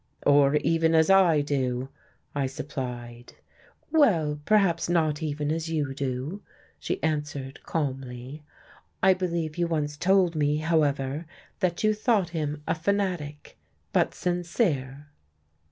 "Or even as I do," I supplied. "Well, perhaps not even as you do," she answered calmly. "I believe you once told me, however, that you thought him a fanatic, but sincere."